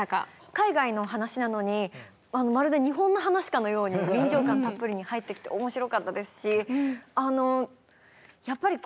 海外の話なのにまるで日本の話かのように臨場感たっぷりに入ってきて面白かったですし。